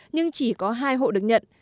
nhưng chỉ có hai hộ được nhận